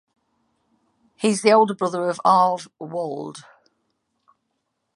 He is the older brother of Arve Walde.